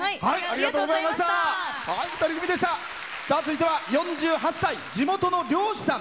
続いては４８歳、地元の漁師さん。